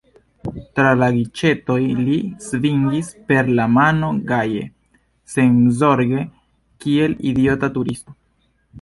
Tra la giĉetoj li svingis per la mano gaje, senzorge, kiel idiota turisto.